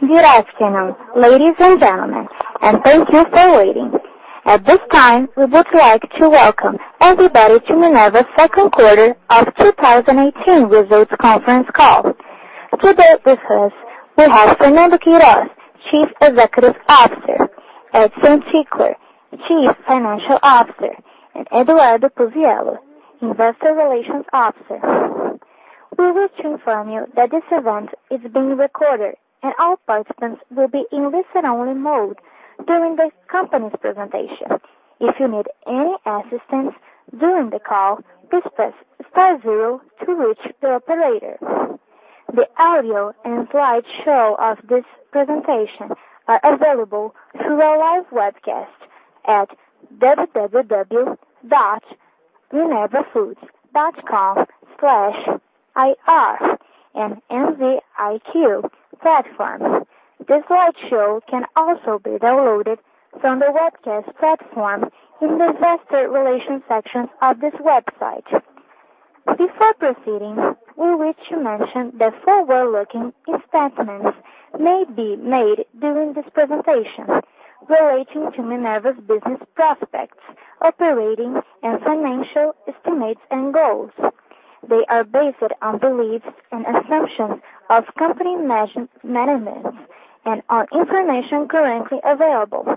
Good afternoon, ladies and gentlemen, and thank you for waiting. At this time, we would like to welcome everybody to Minerva's second quarter of 2018 results conference call. Today with us, we have Fernando Queiroz, Chief Executive Officer, Edison Ticle, Chief Financial Officer, and Eduardo Puzziello, Investor Relations Officer. We wish to inform you that this event is being recorded, and all participants will be in listen only mode during the company's presentation. If you need any assistance during the call, please press star zero to reach the operator. The audio and slideshow of this presentation are available through our live webcast at www.minervafoods.com/ir and MZiQ platforms. The slideshow can also be downloaded from the webcast platform in the investor relations section of this website. Before proceeding, we wish to mention that forward-looking statements may be made during this presentation relating to Minerva's business prospects, operating and financial estimates, and goals. They are based on beliefs and assumptions of company management and on information currently available.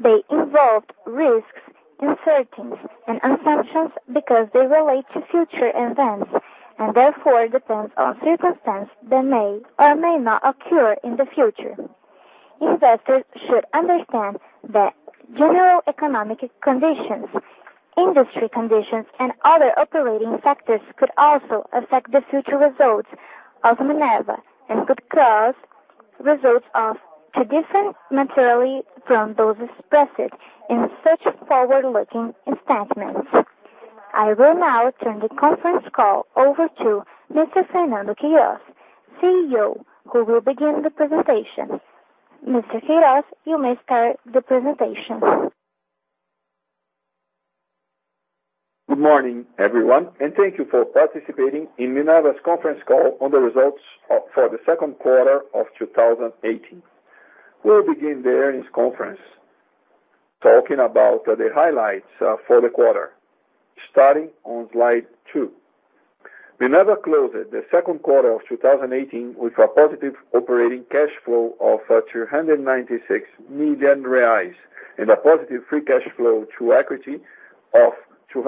They involve risks, uncertainties, and assumptions because they relate to future events and therefore depend on circumstances that may or may not occur in the future. Investors should understand that general economic conditions, industry conditions, and other operating factors could also affect the future results of Minerva and could cause results to differ materially from those expressed in such forward-looking statements. I will now turn the conference call over to Mr. Fernando Queiroz, CEO, who will begin the presentation. Mr. Queiroz, you may start the presentation. Good morning, everyone, and thank you for participating in Minerva's conference call on the results for the second quarter of 2018. We'll begin the earnings conference talking about the highlights for the quarter. Starting on slide two. Minerva closed the second quarter of 2018 with a positive operating cash flow of 396 million reais and a positive free cash flow to equity of 244 million reais. In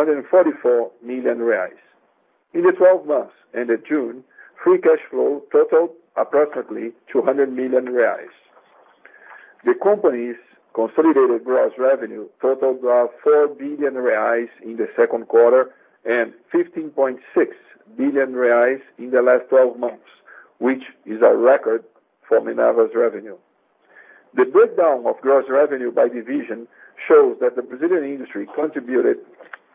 the 12 months ended June, free cash flow totaled approximately 200 million reais. The company's consolidated gross revenue totaled 4 billion reais in the second quarter and 15.6 billion reais in the last 12 months, which is a record for Minerva's revenue. The breakdown of gross revenue by division shows that the Brazilian industry contributed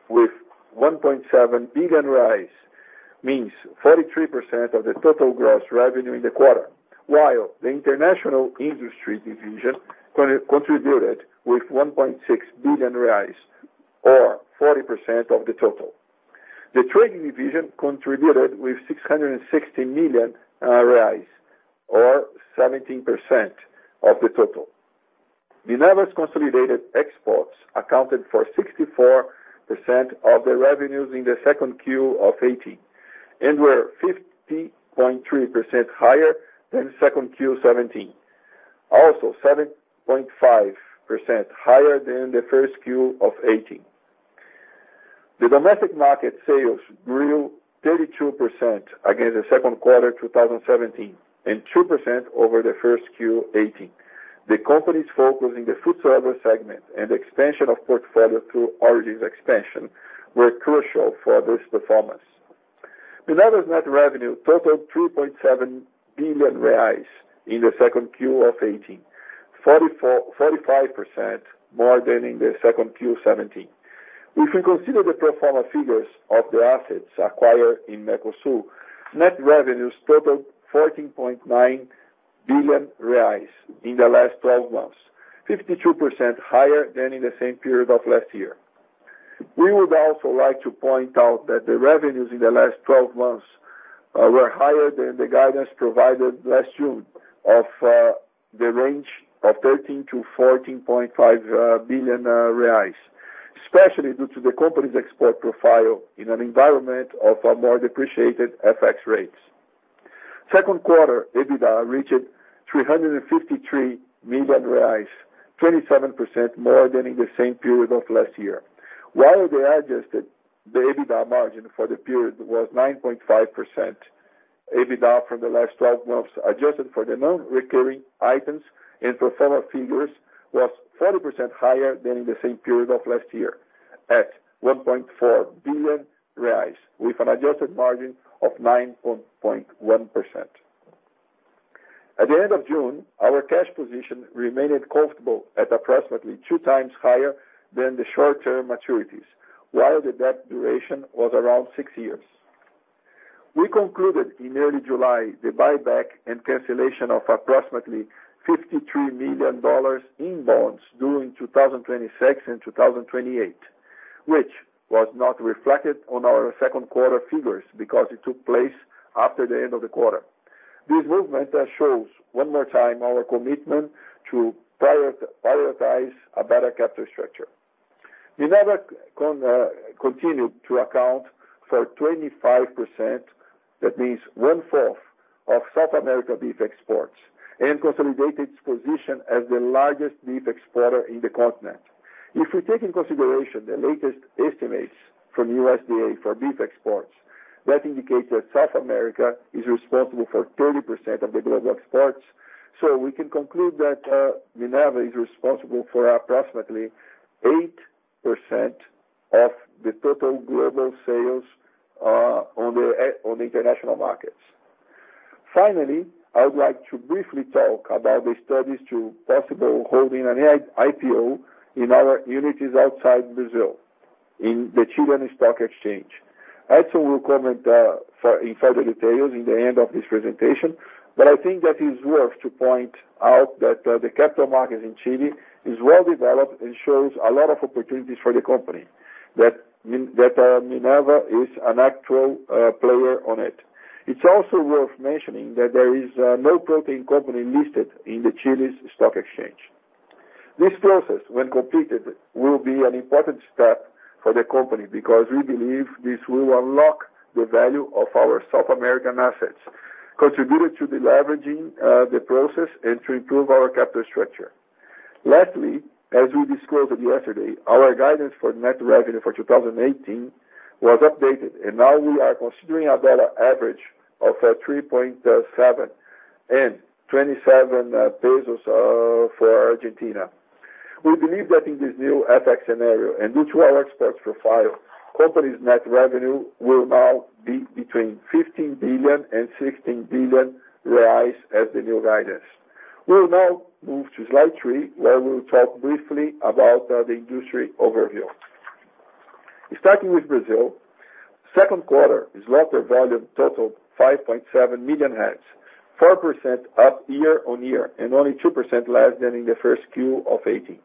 with 1.7 billion, means 43% of the total gross revenue in the quarter, while the international industry division contributed with 1.6 billion reais, or 40% of the total. The trading division contributed with 660 million reais, or 17% of the total. Minerva's consolidated exports accounted for 64% of the revenues in the second Q of 2018 and were 50.3% higher than second Q 2017. Also, 7.5% higher than the first Q of 2018. The domestic market sales grew 32% against the second quarter 2017 and 2% over the first Q 2018. The company's focus in the food service segment and expansion of portfolio through origins expansion were crucial for this performance. Minerva's net revenue totaled 3.7 billion reais in the second Q of 2018, 45% more than in the second Q 2017. If we consider the pro forma figures of the assets acquired in Mercosul, net revenues totaled 14.9 billion reais in the last 12 months, 52% higher than in the same period of last year. We would also like to point out that the revenues in the last 12 months were higher than the guidance provided last June of the range of 13 billion-14.5 billion reais, especially due to the company's export profile in an environment of a more depreciated FX rates. Second quarter EBITDA reached 353 million reais, 27% more than in the same period of last year. While the adjusted EBITDA margin for the period was 9.5%, EBITDA from the last 12 months, adjusted for the non-recurring items and pro forma figures, was 40% higher than in the same period of last year at 1.4 billion reais, with an adjusted margin of 9.1%. At the end of June, our cash position remained comfortable at approximately two times higher than the short-term maturities, while the debt duration was around six years. We concluded in early July the buyback and cancellation of approximately $53 million in bonds during 2026 and 2028. It was not reflected on our second quarter figures, because it took place after the end of the quarter. This movement shows, one more time, our commitment to prioritize a better capital structure. Minerva continued to account for 25%, that means one-fourth, of South America beef exports, and consolidated its position as the largest beef exporter in the continent. If we take into consideration the latest estimates from USDA for beef exports, that indicates that South America is responsible for 30% of the global exports. We can conclude that Minerva is responsible for approximately 8% of the total global sales on international markets. Finally, I would like to briefly talk about the studies to possible holding an IPO in our entities outside Brazil, in the Chilean stock exchange. Edison will comment in further details in the end of this presentation, I think that is worth to point out that the capital markets in Chile is well-developed and shows a lot of opportunities for the company, that Minerva is an actual player on it. It's also worth mentioning that there is no protein company listed in the Chile's stock exchange. This process, when completed, will be an important step for the company, because we believe this will unlock the value of our South American assets, contribute to deleveraging the process, and to improve our capital structure. Lastly, as we disclosed yesterday, our guidance for net revenue for 2018 was updated, now we are considering a USD average of 3.7 and 27 pesos for Argentina. We believe that in this new FX scenario, due to our exports profile, company's net revenue will now be between 15 billion and 16 billion reais as the new guidance. We will now move to slide three, where we will talk briefly about the industry overview. Starting with Brazil, second quarter slaughter volume totaled 5.7 million heads, 4% up year-on-year, only 2% less than in the first Q of 2018.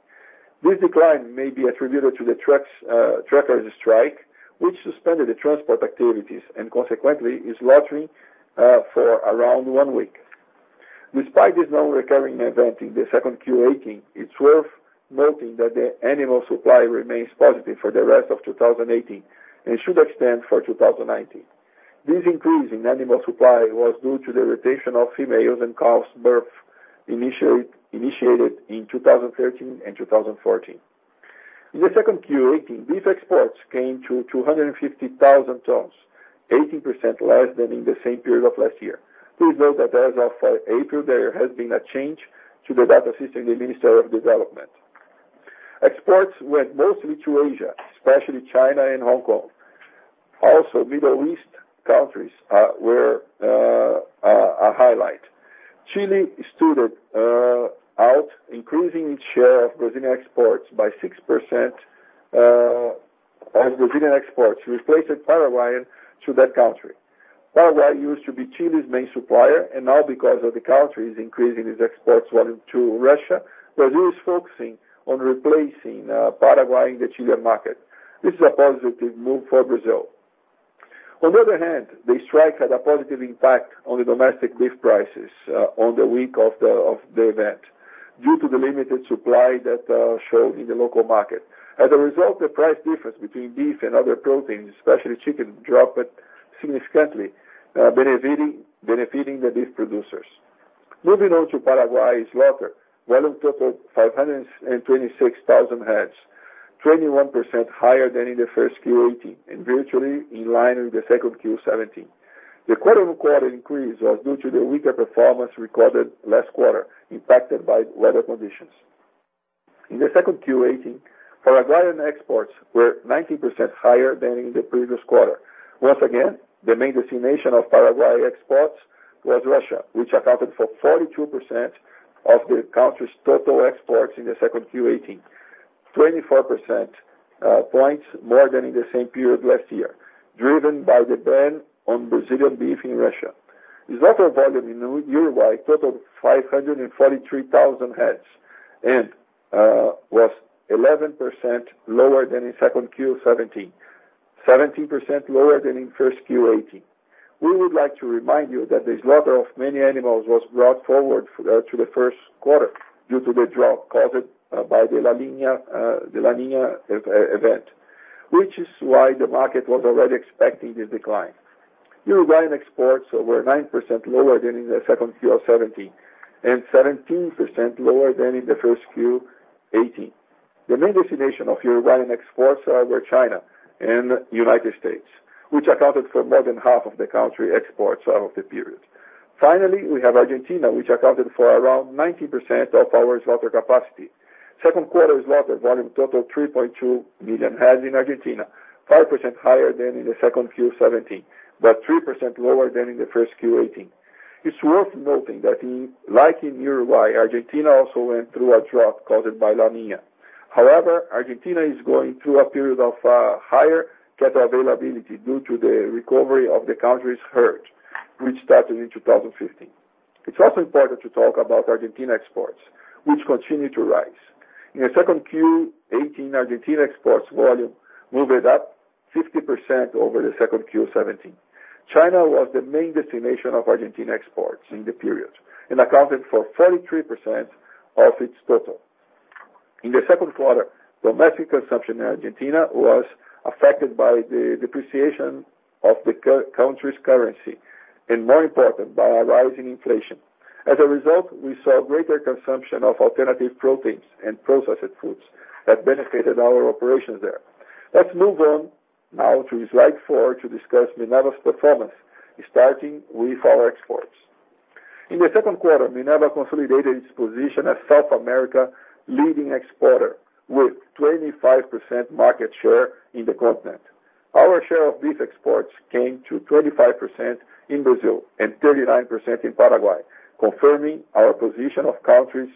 This decline may be attributed to the truckers strike, which suspended the transport activities, consequently is slaughtering for around one week. Despite this non-recurring event in the second Q 2018, it's worth noting that the animal supply remains positive for the rest of 2018, should extend for 2019. This increase in animal supply was due to the rotation of females and calves birth, initiated in 2013 and 2014. In the second Q18, beef exports came to 250,000 tons, 18% less than in the same period of last year. Please note that as of April, there has been a change to the data system in the Ministry of Development. Exports went mostly to Asia, especially China and Hong Kong. Also Middle East countries were a highlight. Chile stood out, increasing its share of Brazilian exports by 6% of Brazilian exports, replacing Paraguay to that country. Paraguay used to be Chile's main supplier. Now because of the country is increasing its export volume to Russia, Brazil is focusing on replacing Paraguay in the Chilean market. This is a positive move for Brazil. On the other hand, the strike had a positive impact on the domestic beef prices on the week of the event, due to the limited supply that showed in the local market. As a result, the price difference between beef and other proteins, especially chicken, dropped significantly, benefiting the beef producers. Moving on to Paraguay slaughter, volume totaled 526,000 heads, 21% higher than in the first Q18, and virtually in line with the second Q17. The quarter-on-quarter increase was due to the weaker performance recorded last quarter, impacted by weather conditions. In the second Q18, Paraguayan exports were 19% higher than in the previous quarter. Once again, the main destination of Paraguayan exports was Russia, which accounted for 42% of the country's total exports in the second Q18, 24 percentage points more than in the same period last year, driven by the ban on Brazilian beef in Russia. The slaughter volume in Uruguay totaled 543,000 heads, was 11% lower than in second Q17, 17% lower than in first Q18. We would like to remind you that the slaughter of many animals was brought forward to the first quarter, due to the drought caused by the La Niña event, which is why the market was already expecting this decline. Uruguayan exports were 9% lower than in the second Q17, 17% lower than in the first Q18. The main destination of Uruguayan exports were China and United States, which accounted for more than half of the country exports of the period. Finally, we have Argentina, which accounted for around 19% of our slaughter capacity. Second quarter slaughter volume totaled 3.2 million heads in Argentina, 5% higher than in the second Q17, 3% lower than in the first Q18. It's worth noting that like in Uruguay, Argentina also went through a drought caused by La Niña. Argentina is going through a period of higher cattle availability due to the recovery of the country's herd, which started in 2015. It's also important to talk about Argentina exports, which continue to rise. In the second Q18, Argentina exports volume moved up 50% over the second Q17. China was the main destination of Argentina exports in the period and accounted for 33% of its total. In the second quarter, domestic consumption in Argentina was affected by the depreciation of the country's currency. More important, by a rise in inflation. As a result, we saw greater consumption of alternative proteins and processed foods that benefited our operations there. Let's move on now to slide four to discuss Minerva's performance, starting with our exports. In the second quarter, Minerva consolidated its position as South America leading exporter, with 25% market share in the continent. Our share of beef exports came to 25% in Brazil and 39% in Paraguay, confirming our position of countries'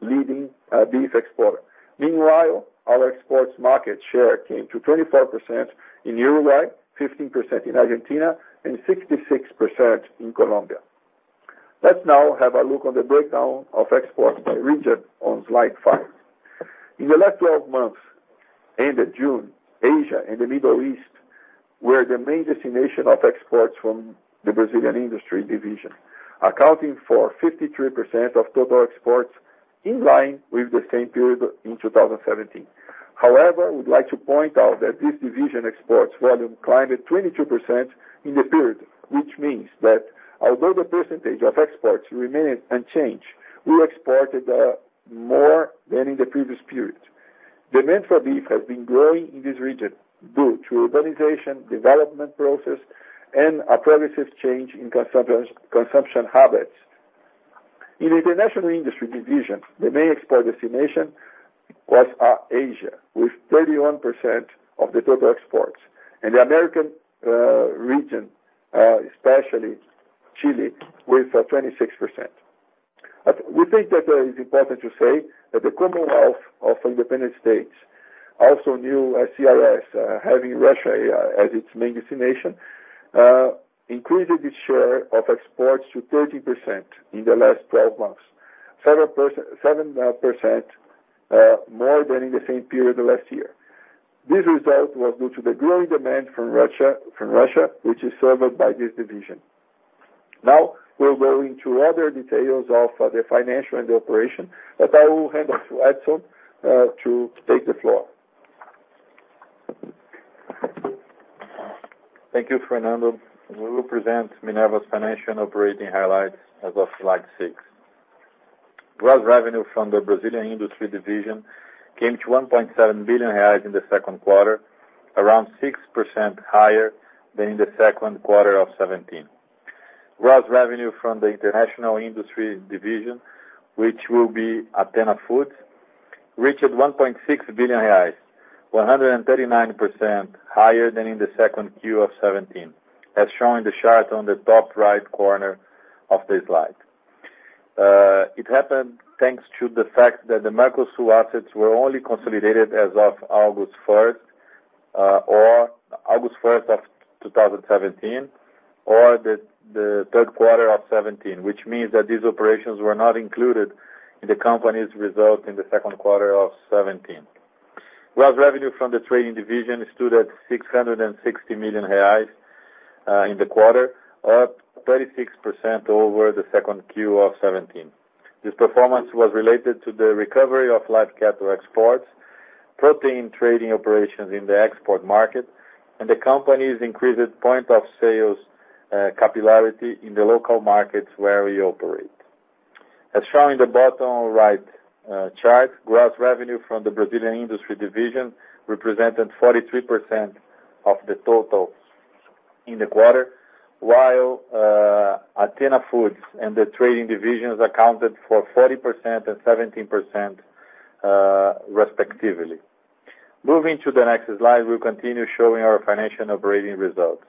leading beef exporter. Meanwhile, our exports market share came to 24% in Uruguay, 15% in Argentina, and 66% in Colombia. Let's now have a look on the breakdown of exports by region on slide five. In the last 12 months, ended June, Asia and the Middle East were the main destination of exports from the Brazilian industry division, accounting for 53% of total exports in line with the same period in 2017. However, we'd like to point out that this division exports volume climbed 22% in the period, which means that although the percentage of exports remained unchanged, we exported more than in the previous period. Demand for beef has been growing in this region due to urbanization, development process, and a progressive change in consumption habits. In the international industry division, the main export destination was Asia, with 31% of the total exports. The American region, especially Chile, with 26%. We think that it's important to say that the Commonwealth of Independent States, also known as CIS, having Russia as its main destination, increased its share of exports to 30% in the last 12 months, 7% more than in the same period last year. This result was due to the growing demand from Russia, which is served by this division. We'll go into other details of the financial and the operation, but I will hand off to Edison to take the floor. Thank you, Fernando. We will present Minerva's financial and operating highlights as of slide six. Gross revenue from the Brazilian industry division came to 1.7 billion reais in the second quarter, around 6% higher than in the second quarter of 2017. Gross revenue from the international industry division, which will be Athena Foods, reached 1.6 billion reais, 139% higher than in the 2Q of 2017, as shown in the chart on the top right corner of the slide. It happened thanks to the fact that the Mercosul assets were only consolidated as of August 1st, 2017 or the third quarter of 2017, which means that these operations were not included in the company's results in the second quarter of 2017. Gross revenue from the trading division stood at 660 million reais in the quarter, up 36% over the 2Q of 2017. This performance was related to the recovery of live cattle exports, protein trading operations in the export market, and the company's increased point of sales capillarity in the local markets where we operate. As shown in the bottom right chart, gross revenue from the Brazilian industry division represented 43% of the total in the quarter, while Athena Foods and the trading divisions accounted for 40% and 17%, respectively. Moving to the next slide, we'll continue showing our financial operating results.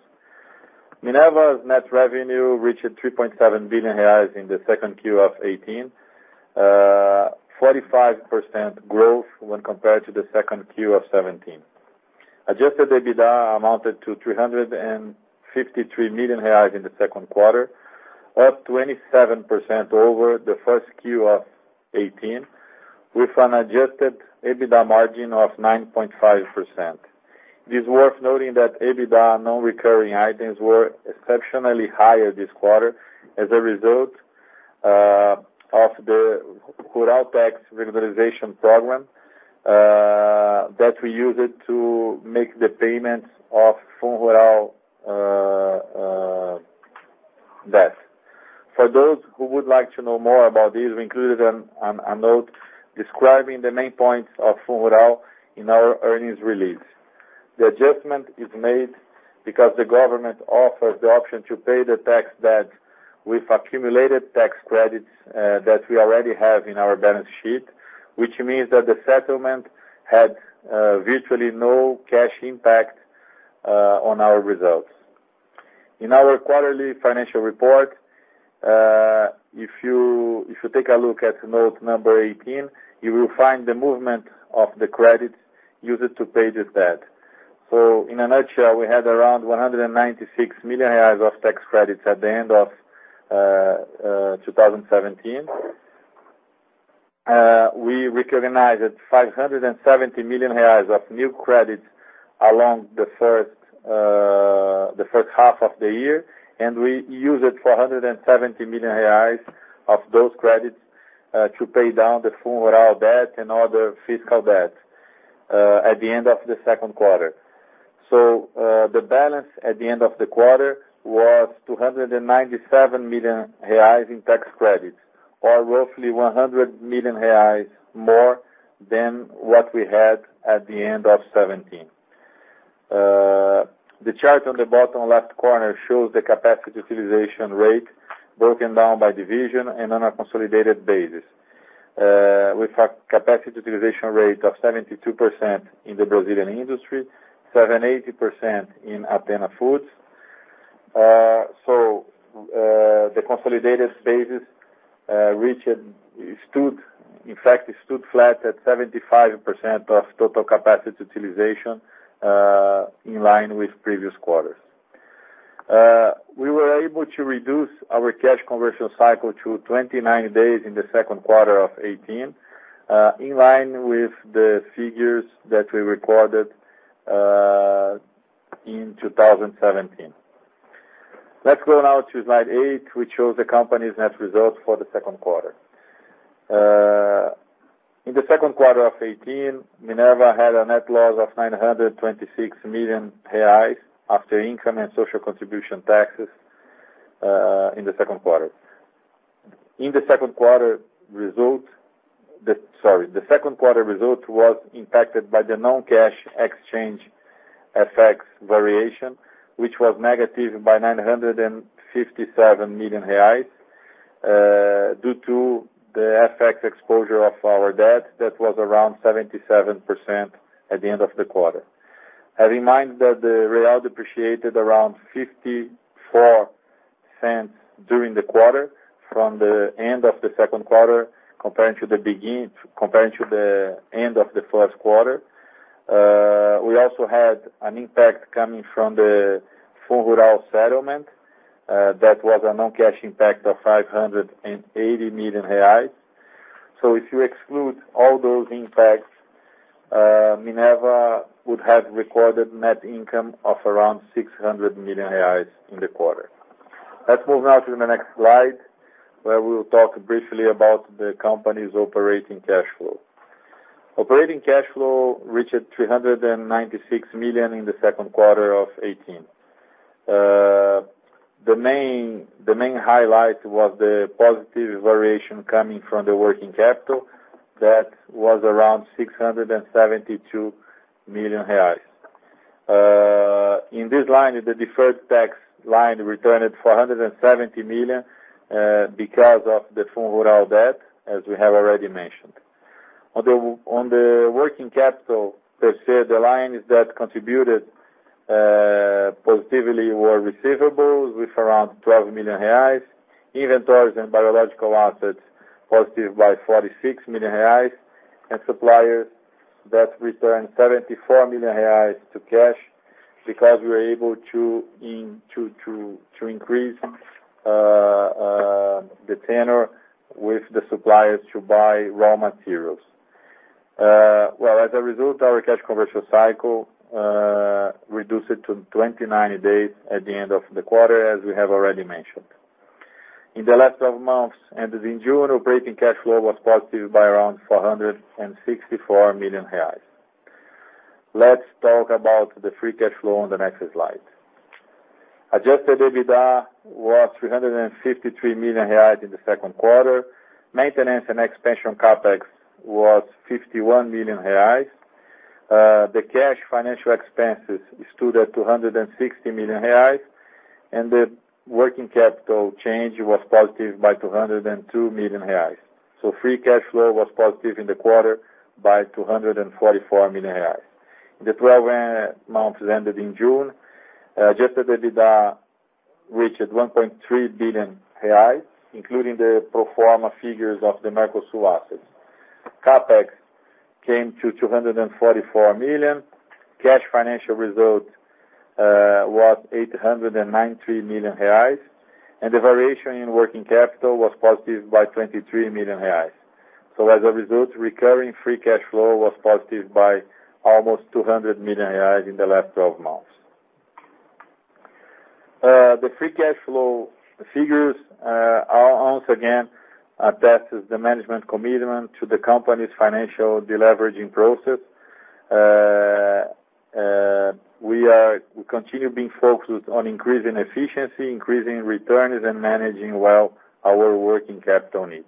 Minerva's net revenue reached 3.7 billion reais in the 2Q of 2018, 45% growth when compared to the 2Q of 2017. Adjusted EBITDA amounted to 353 million reais in the second quarter, up 27% over the 1Q of 2018, with an adjusted EBITDA margin of 9.5%. It is worth noting that EBITDA non-recurring items were exceptionally higher this quarter as a result of the REFIS Rural that we used to make the payments of rural debt. For those who would like to know more about this, we included a note describing the main points of rural in our earnings release. The adjustment is made because the government offers the option to pay the tax debt with accumulated tax credits that we already have in our balance sheet, which means that the settlement had virtually no cash impact on our results. In our quarterly financial report, if you take a look at note number 18, you will find the movement of the credits used to pay the debt. In a nutshell, we had around 196 million reais of tax credits at the end of 2017. We recognized 570 million reais of new credits along the first half of the year, we used 470 million reais of those credits to pay down the rural debt and other fiscal debt at the end of the second quarter. The balance at the end of the quarter was 297 million reais in tax credits, or roughly 100 million reais more than what we had at the end of 2017. The chart on the bottom left corner shows the capacity utilization rate broken down by division and on a consolidated basis. With a capacity utilization rate of 72% in the Brazilian industry, 78% in Athena Foods. The consolidated stages, in fact, it stood flat at 75% of total capacity utilization, in line with previous quarters. We were able to reduce our cash conversion cycle to 29 days in the second quarter of 2018, in line with the figures that we recorded in 2017. Let's go now to slide eight, which shows the company's net results for the second quarter. In the second quarter of 2018, Minerva had a net loss of 926 million reais after income and social contribution taxes in the second quarter. The second quarter result was impacted by the non-cash exchange effects variation, which was negative by 957 million reais, due to the FX exposure of our debt that was around 77% at the end of the quarter. I remind that the real appreciated around 0.54 during the quarter from the end of the second quarter compared to the end of the first quarter. We also had an impact coming from the rural settlement. That was a non-cash impact of 580 million reais. If you exclude all those impacts, Minerva would have recorded net income of around 600 million reais in the quarter. Let's move now to the next slide, where we will talk briefly about the company's operating cash flow. Operating cash flow reached 396 million in the second quarter of 2018. The main highlight was the positive variation coming from the working capital. That was around 672 million reais. In this line, the deferred tax line returned 470 million, because of the rural debt, as we have already mentioned. On the working capital per se, the lines that contributed positively were receivables with around 12 million reais, inventories and biological assets, positive by 46 million reais, and suppliers that returned 74 million reais to cash because we were able to increase the tenure with the suppliers to buy raw materials. Well, as a result, our cash conversion cycle reduced to 29 days at the end of the quarter, as we have already mentioned. In the last 12 months, ended in June, operating cash flow was positive by around 464 million reais. Let's talk about the free cash flow on the next slide. Adjusted EBITDA was 353 million reais in the second quarter. Maintenance and expansion CapEx was 51 million reais. The cash financial expenses stood at 260 million reais, and the working capital change was positive by 202 million reais. Free cash flow was positive in the quarter by 244 million reais. In the 12 months ended in June, adjusted EBITDA reached 1.3 billion reais, including the pro forma figures of the Marfrig assets. CapEx came to 244 million. Cash financial result was 893 million reais, and the variation in working capital was positive by 23 million reais. As a result, recurring free cash flow was positive by almost 200 million reais in the last 12 months. The free cash flow figures once again attest to the management commitment to the company's financial deleveraging process. We continue being focused on increasing efficiency, increasing returns, and managing well our working capital needs.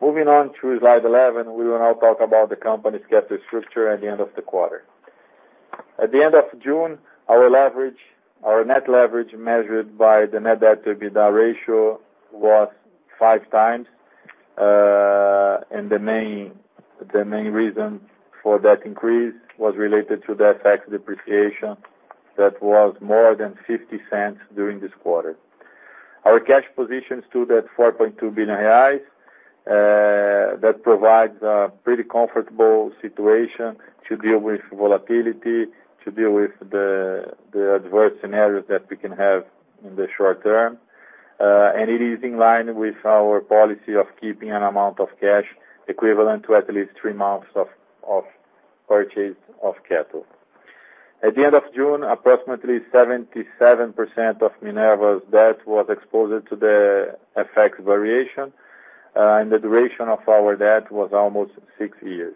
Moving on to slide 11, we will now talk about the company's capital structure at the end of the quarter. At the end of June, our net leverage measured by the net debt-to-EBITDA ratio was five times. The main reason for that increase was related to the FX depreciation that was more than 0.50 during this quarter. Our cash position stood at 4.2 billion reais. That provides a pretty comfortable situation to deal with volatility, to deal with the adverse scenarios that we can have in the short term. It is in line with our policy of keeping an amount of cash equivalent to at least three months of purchase of cattle. At the end of June, approximately 77% of Minerva's debt was exposed to the FX variation, and the duration of our debt was almost six years.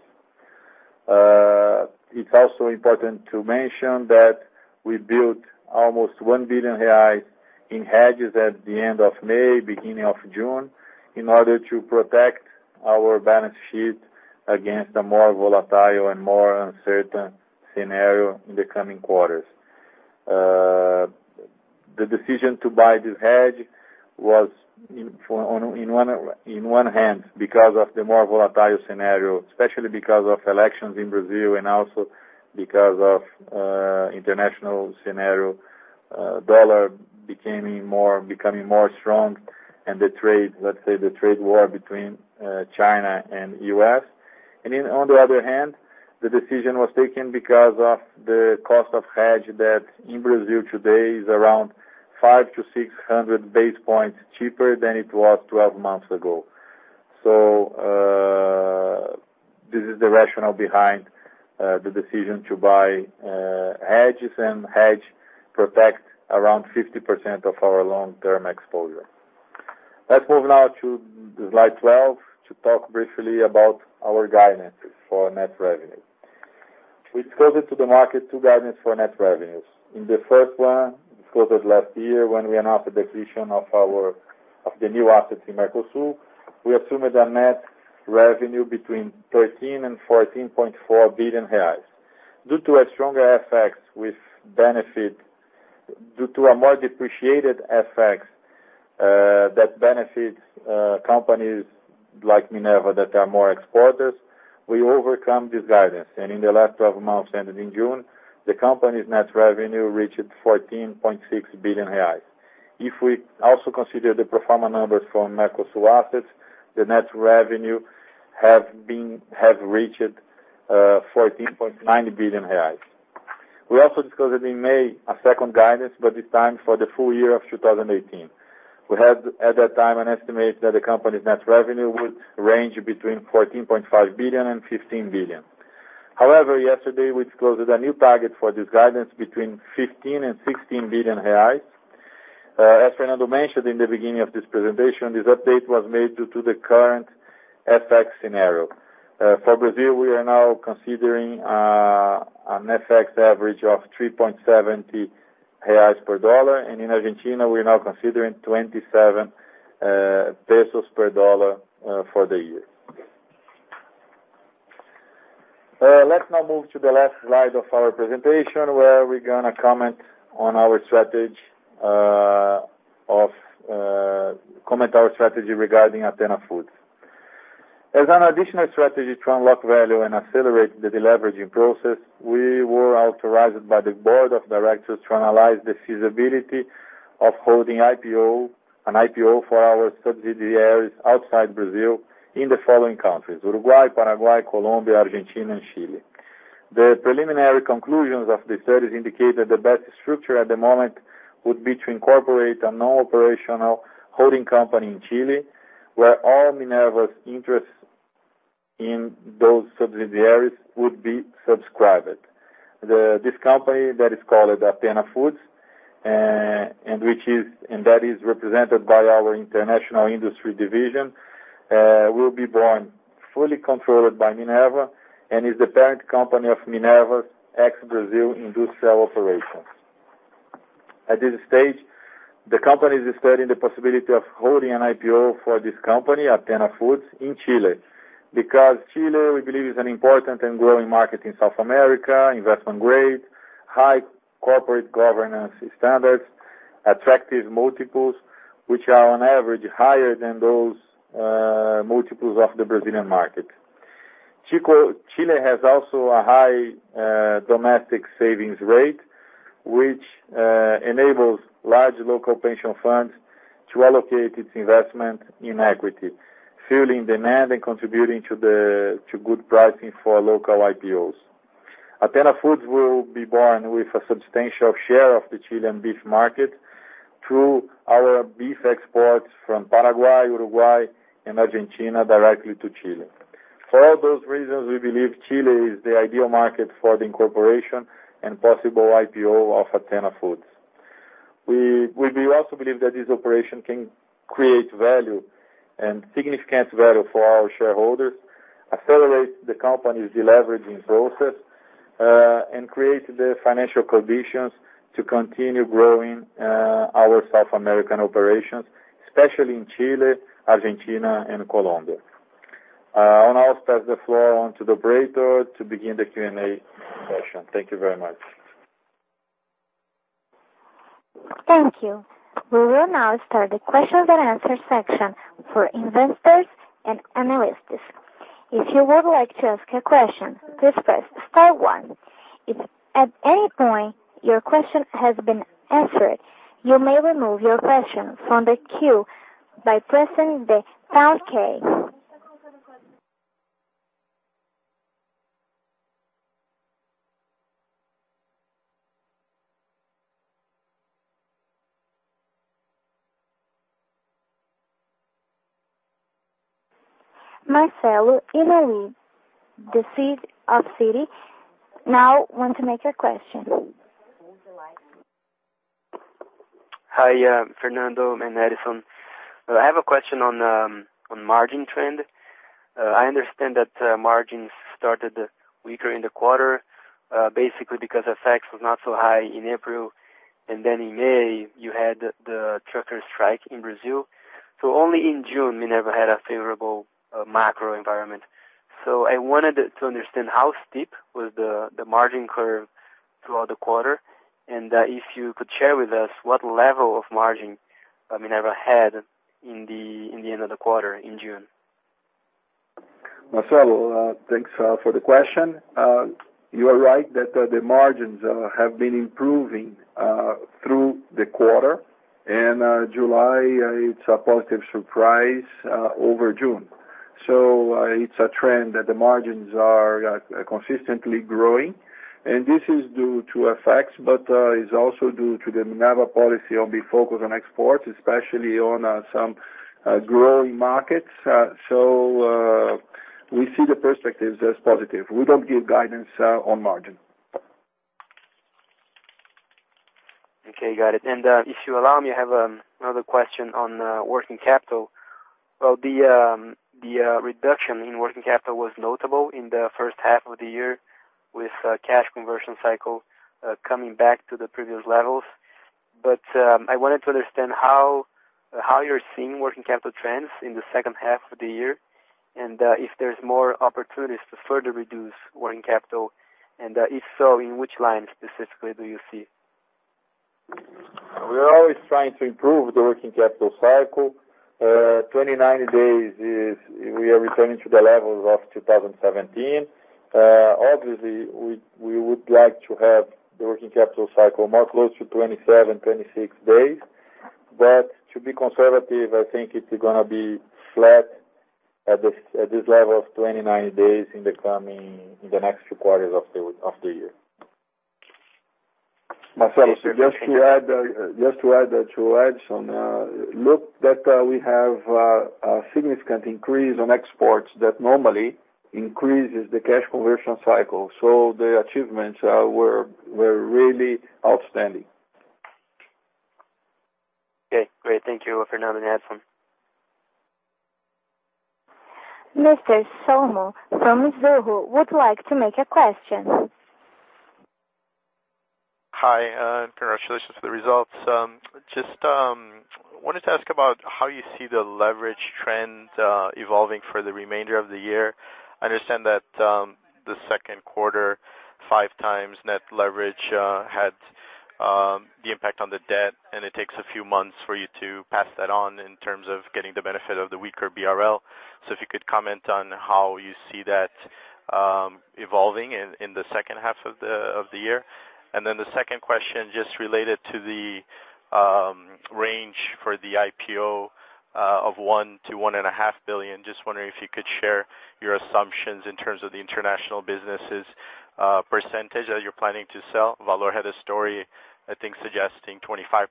It's also important to mention that we built almost 1 billion reais in hedges at the end of May, beginning of June, in order to protect our balance sheet against a more volatile and more uncertain scenario in the coming quarters. The decision to buy this hedge was in one hand, because of the more volatile scenario, especially because of elections in Brazil and also because of international scenario, dollar becoming more strong and let's say the trade war between China and U.S. On the other hand, the decision was taken because of the cost of hedge debt in Brazil today is around 500 to 600 base points cheaper than it was 12 months ago. This is the rationale behind the decision to buy hedges, and hedge protects around 50% of our long-term exposure. Let's move now to slide 12 to talk briefly about our guidance for net revenue. We disclosed to the market two guidance for net revenues. In the first one, disclosed last year when we announced the decision of the new assets in Mercosul, we assumed a net revenue between 13 billion reais and BRL 14.5 billion. Due to a more depreciated FX that benefits companies like Minerva that are more exporters, we overcome this guidance. In the last 12 months ending in June, the company's net revenue reached 14.6 billion reais. If we also consider the pro forma numbers from Mercosul assets, the net revenue have reached 14.9 billion reais. We also discussed in May a second guidance, but this time for the full year of 2018. We had, at that time, an estimate that the company's net revenue would range between 14.5 billion and 15 billion. However, yesterday, we disclosed a new target for this guidance between 15 billion and 16 billion reais. As Fernando mentioned in the beginning of this presentation, this update was made due to the current FX scenario. For Brazil, we are now considering an FX average of 3.70 reais per dollar, and in Argentina, we're now considering 27 pesos per dollar for the year. Let's now move to the last slide of our presentation, where we're going to comment our strategy regarding Athena Foods. As an additional strategy to unlock value and accelerate the deleveraging process, we were authorized by the board of directors to analyze the feasibility of holding an IPO for our subsidiaries outside Brazil in the following countries: Uruguay, Paraguay, Colombia, Argentina, and Chile. The preliminary conclusions of the studies indicate that the best structure at the moment would be to incorporate a non-operational holding company in Chile, where all Minerva's interests in those subsidiaries would be subscribed. This company, that is called Athena Foods, and that is represented by our international industry division will be born fully controlled by Minerva and is the parent company of Minerva's ex-Brazil industrial operations. At this stage, the company is studying the possibility of holding an IPO for this company, Athena Foods, in Chile. Because Chile, we believe, is an important and growing market in South America, investment grade, high corporate governance standards, attractive multiples, which are on average higher than those multiples of the Brazilian market. Chile has also a high domestic savings rate, which enables large local pension funds to allocate its investment in equity, filling demand and contributing to good pricing for local IPOs. Athena Foods will be born with a substantial share of the Chilean beef market through our beef exports from Paraguay, Uruguay, and Argentina directly to Chile. For all those reasons, we believe Chile is the ideal market for the incorporation and possible IPO of Athena Foods. We also believe that this operation can create value and significant value for our shareholders, accelerate the company's deleveraging process, and create the financial conditions to continue growing our South American operations, especially in Chile, Argentina, and Colombia. I'll now pass the floor on to the operator to begin the Q&A session. Thank you very much. Thank you. We will now start the question and answer section for investors and analysts. If you would like to ask a question, please press star one. If at any point your question has been answered, you may remove your question from the queue by pressing the pound key. Marcelo Miyazaki of Citi now want to make a question. Hi, Fernando and Edison. I have a question on margin trend. I understand that margins started weaker in the quarter, basically because FX was not so high in April, and then in May you had the trucker strike in Brazil. So only in June Minerva had a favorable macro environment. I wanted to understand how steep was the margin curve throughout the quarter, and if you could share with us what level of margin Minerva had in the end of the quarter in June. Marcelo, thanks for the question. You are right that the margins have been improving through the quarter. And July, it's a positive surprise over June. So it's a trend that the margins are consistently growing, and this is due to FX, but it's also due to the Minerva policy of the focus on exports, especially on some growing markets. So we see the perspectives as positive. We don't give guidance on margin. Okay, got it. And if you allow me, I have another question on working capital. Well, the reduction in working capital was notable in the first half of the year with cash conversion cycle coming back to the previous levels. I wanted to understand how you're seeing working capital trends in the second half of the year, and if there's more opportunities to further reduce working capital, and if so, in which line specifically do you see? We are always trying to improve the working capital cycle. 29 days is we are returning to the levels of 2017. Obviously, we would like to have the working capital cycle more close to 27, 26 days. To be conservative, I think it is going to be flat at this level of 29 days in the next few quarters of the year. Marcelo- Just to add to Edison, look that we have a significant increase on exports that normally increases the cash conversion cycle. The achievements were really outstanding. Great. Thank you, Fernando and Edison. Mr. Somo from Zoho would like to make a question. Hi, congratulations for the results. I just wanted to ask about how you see the leverage trend evolving for the remainder of the year. I understand that the second quarter, five times net leverage had the impact on the debt, and it takes a few months for you to pass that on in terms of getting the benefit of the weaker BRL. If you could comment on how you see that evolving in the second half of the year. The second question, just related to the range for the IPO of 1 billion to 1.5 billion, just wondering if you could share your assumptions in terms of the international businesses percentage that you're planning to sell. Valor had a story, I think suggesting 25%,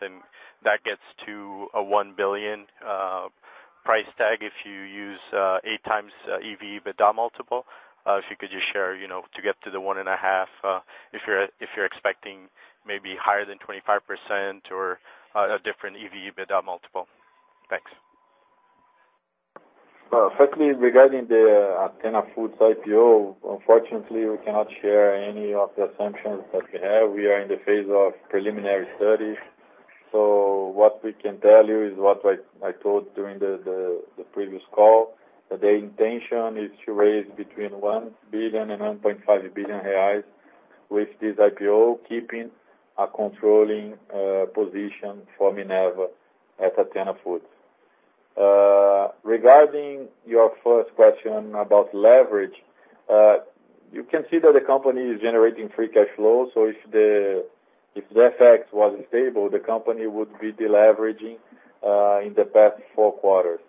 and that gets to a 1 billion price tag if you use eight times EV/EBITDA multiple. If you could just share to get to the 1.5 billion, if you're expecting maybe higher than 25% or a different EV/EBITDA multiple. Thanks. Firstly, regarding the Athena Foods IPO, unfortunately, we cannot share any of the assumptions that we have. We are in the phase of preliminary studies. What we can tell you is what I told during the previous call, that the intention is to raise between 1 billion and 1.5 billion reais with this IPO, keeping a controlling position for Minerva at Athena Foods. Regarding your first question about leverage, you can see that the company is generating free cash flow. If the FX was stable, the company would be deleveraging in the past four quarters.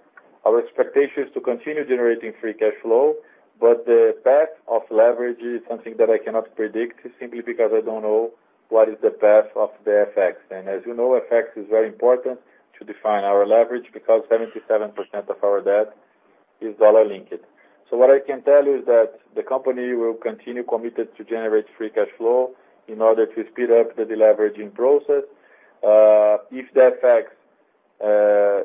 Our expectation is to continue generating free cash flow, but the path of leverage is something that I cannot predict simply because I don't know what is the path of the FX. As you know, FX is very important to define our leverage because 77% of our debt is dollar-linked. What I can tell you is that the company will continue committed to generate free cash flow in order to speed up the deleveraging process. If the FX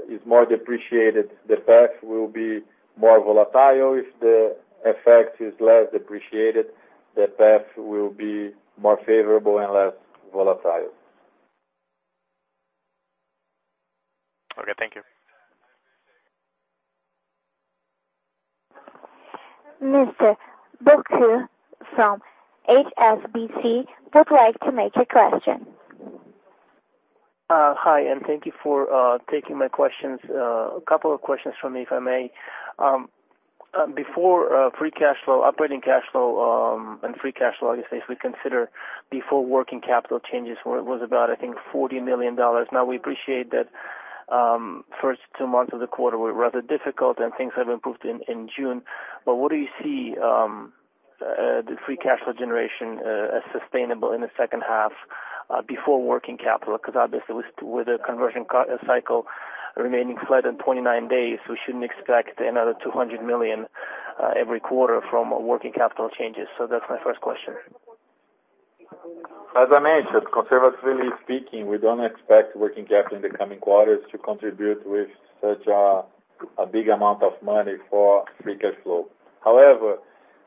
is more depreciated, the path will be more volatile. If the FX is less depreciated, the path will be more favorable and less volatile. Okay, thank you. Mr. Bokku from HSBC would like to make a question. Hi, thank you for taking my questions. A couple of questions from me, if I may. Before operating cash flow and free cash flow, you say if we consider before working capital changes where it was about, I think, BRL 40 million. Now we appreciate that first two months of the quarter were rather difficult and things have improved in June. But what do you see the free cash flow generation as sustainable in the second half before working capital? Because obviously with the conversion cycle remaining flat in 29 days, we shouldn't expect another 200 million every quarter from working capital changes. That's my first question. As I mentioned, conservatively speaking, we don't expect working capital in the coming quarters to contribute with such a big amount of money for free cash flow. However,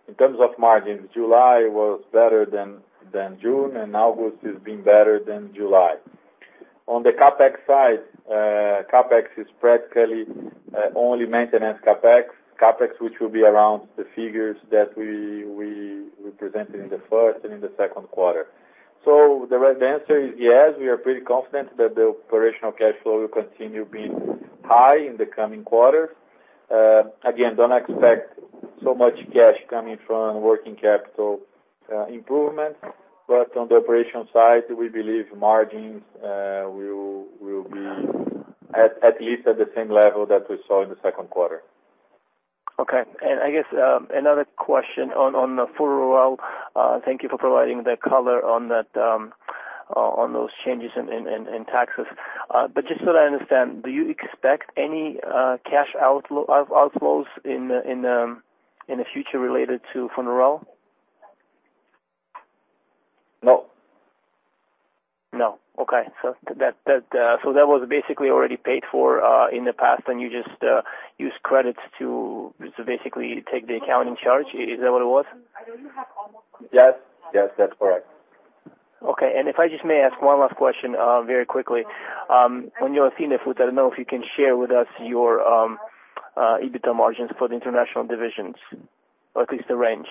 in terms of margins, July was better than June, and August has been better than July. On the CapEx side, CapEx is practically only maintenance CapEx. CapEx, which will be around the figures that we presented in the first and in the second quarter. The right answer is yes, we are pretty confident that the operational cash flow will continue being high in the coming quarters. Again, don't expect so much cash coming from working capital improvements, but on the operational side, we believe margins will be at least at the same level that we saw in the second quarter. Okay. I guess another question on the Funrural. Thank you for providing the color on those changes in taxes. Just so that I understand, do you expect any cash outflows in the future related to Funrural? No. No. Okay. That was basically already paid for in the past and you just use credits to basically take the accounting charge. Is that what it was? Yes. That's correct. Okay. If I just may ask one last question very quickly. On your Athena Foods, I don't know if you can share with us your EBITDA margins for the international divisions, or at least the range.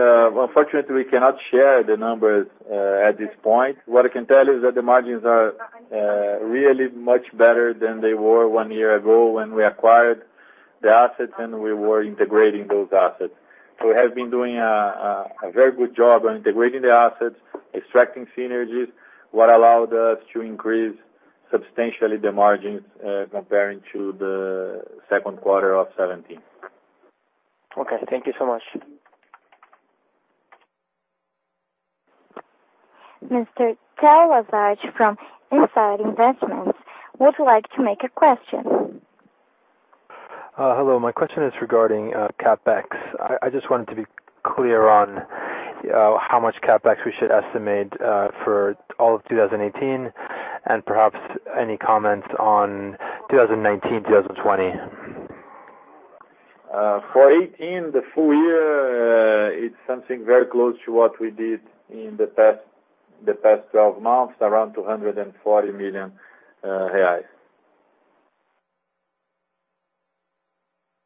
Unfortunately, we cannot share the numbers at this point. What I can tell you is that the margins are really much better than they were one year ago when we acquired the assets and we were integrating those assets. We have been doing a very good job on integrating the assets, extracting synergies, what allowed us to increase substantially the margins comparing to the second quarter of 2017. Okay. Thank you so much. Mr. Talazac from Insight Investment would like to make a question. Hello. My question is regarding CapEx. I just wanted to be clear on how much CapEx we should estimate for all of 2018, and perhaps any comments on 2019, 2020. For 2018, the full year, it's something very close to what we did in the past 12 months, around 240 million reais.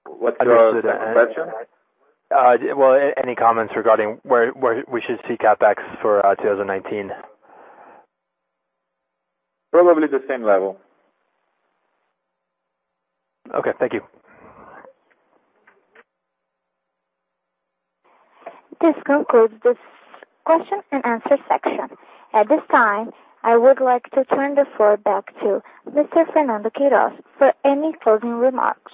What's your second question? Well, any comments regarding where we should see CapEx for 2019? Probably the same level. Okay. Thank you. This concludes this question and answer section. At this time, I would like to turn the floor back to Mr. Fernando Queiroz for any closing remarks.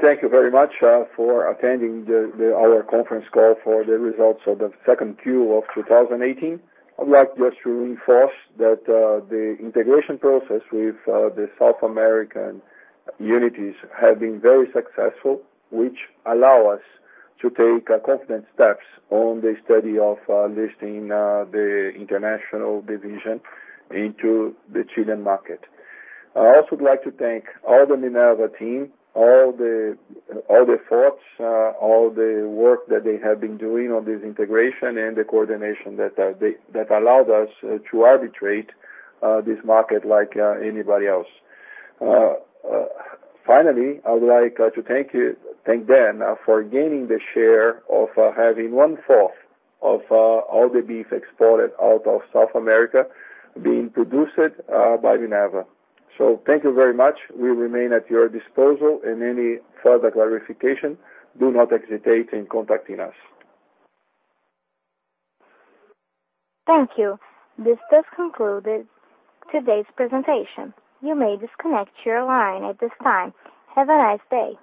Thank you very much for attending our conference call for the results of the second Q of 2018. I would like just to reinforce that the integration process with the South American unities have been very successful, which allow us to take confident steps on the study of listing the international division into the Chilean market. I also would like to thank all the Minerva team, all the efforts, all the work that they have been doing on this integration and the coordination that allowed us to arbitrate this market like anybody else. Finally, I would like to thank Dan for gaining the share of having one-fourth of all the beef exported out of South America being produced by Minerva. Thank you very much. We remain at your disposal and any further clarification, do not hesitate in contacting us. Thank you. This does conclude today's presentation. You may disconnect your line at this time. Have a nice day.